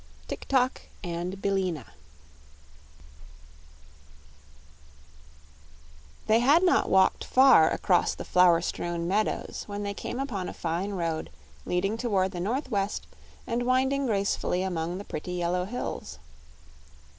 Tik Tok and Billina They had not walked far across the flower strewn meadows when they came upon a fine road leading toward the northwest and winding gracefully among the pretty yellow hills.